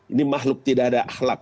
ini makhluk tidak ada akhlak